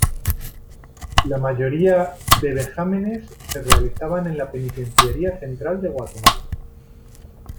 La mayoría de vejámenes se realizaban en la Penitenciaría Central de Guatemala.